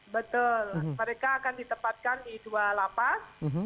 betul mereka akan ditempatkan di dua lapas